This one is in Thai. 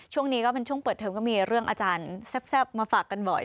ช่วงนี้ก็เป็นช่วงเปิดเทอมก็มีเรื่องอาจารย์แซ่บมาฝากกันบ่อย